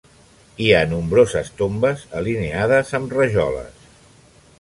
Hi ha nombroses tombes alineades amb rajoles.